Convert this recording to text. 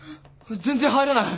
全然入らない。